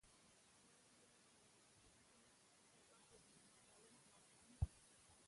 ولې د روزګان د خلکو میلمه پالنه واقعا